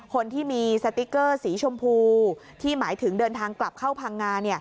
คนที่มีสติ๊กเกอร์สีชมพูที่หมายถึงเดินทางกลับเข้าพังงา